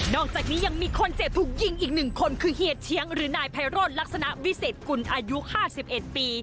อกจากนี้ยังมีคนเจ็บถูกยิงอีก๑คนคือเฮียเชียงหรือนายไพโรธลักษณะวิเศษกุลอายุ๕๑ปี